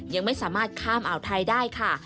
ยังไม่สามารถข้ามอ่าวไทยได้ค่ะ